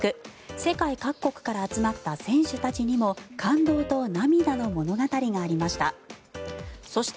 世界各国から集まった選手たちにも感動と涙の物語がありました。